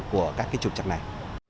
của các trục trạng này